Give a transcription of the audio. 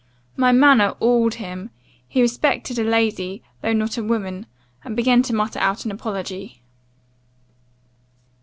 "My manner awed him. He respected a lady, though not a woman; and began to mutter out an apology.